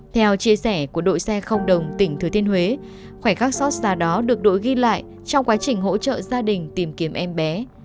theo chia sẻ của đội xe không đồng tỉnh thừa thiên huế khoảnh khắc xót xa đó được đội ghi lại trong quá trình hỗ trợ gia đình tìm kiếm em bé